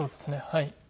はい。